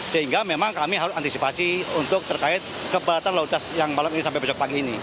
sehingga memang kami harus antisipasi untuk terkait keberatan lalu lintas yang malam ini sampai besok pagi ini